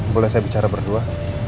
boleh saya bicara berdua